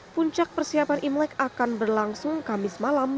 puncak persiapan imlek akan berlangsung kamis malam